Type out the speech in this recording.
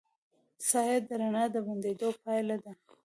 سایه د رڼا د بندېدو پایله ده.